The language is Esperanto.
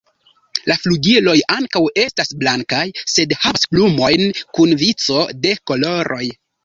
La flugiloj ankaŭ estas blankaj, sed havas plumojn kun vico de koloroj.